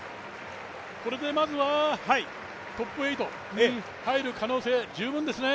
これでまずはトップ８に入る可能性十分ですね。